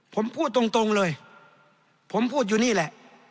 ผมพูดตรงเลยผมพูดอยู่นี่แหละ